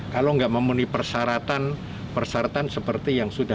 ketentuan baru ini itu benar benar angin segar itu betul